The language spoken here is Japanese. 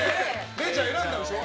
れいちゃん、選んだんでしょ？